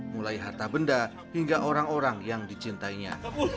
mulai harta benda hingga orang orang yang dicintainya